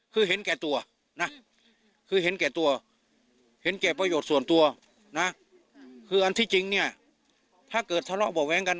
คือเห็นแก่ตัวนะคือเห็นแก่ตัวเห็นแก่ประโยชน์ส่วนตัวนะคืออันที่จริงเนี่ยถ้าเกิดทะเลาะเบาะแว้งกัน